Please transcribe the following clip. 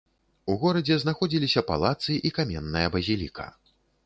У горадзе знаходзіліся палацы і каменная базіліка.